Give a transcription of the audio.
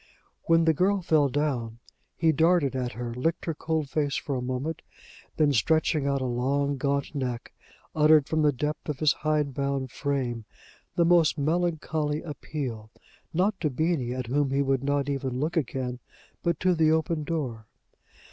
_ When the girl fell down, he darted at her, licked her cold face for a moment, then stretching out a long, gaunt neck, uttered from the depth of his hidebound frame the most melancholy appeal, not to Beenie, at whom he would not even look again, but to the open door.